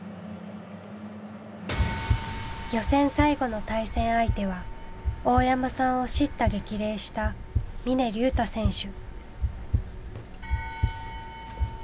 予選最後の対戦相手は大山さんを叱咤激励した峰竜太選手。